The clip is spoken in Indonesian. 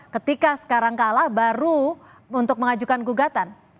ketika sekarang kalah baru untuk mengajukan gugatan